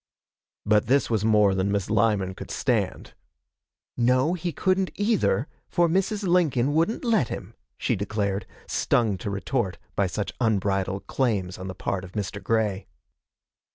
But this was more than Miss Lyman could stand. 'No, he couldn't either, for Mrs. Lincoln wouldn't let him,' she declared, stung to retort by such unbridled claims on the part of Mr. Grey.